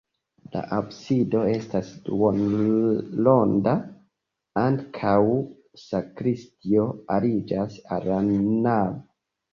La absido estas duonronda, ankaŭ sakristio aliĝas al la navo.